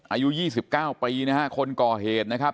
อายุยี่สิบเก้าปีน่ะฮะคนก่อเหตุนะครับ